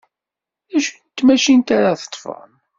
D acu n tmacint ara teḍḍfem?